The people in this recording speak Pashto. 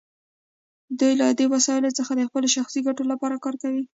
دوی له دې وسایلو څخه د خپلو شخصي ګټو لپاره کار اخلي.